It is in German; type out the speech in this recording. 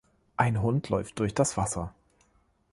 Ein Hund läuft durch das Wasser.